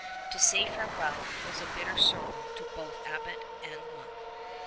To say ''Farewell" was a bitter sorrow to both Abbot and monk.